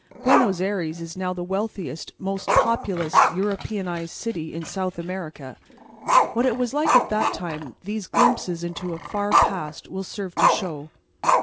Buenos Ayres is now the wealthiest, most populous, Europeanized city in South America: what it was like at that time these glimpses into a far past will serve to show.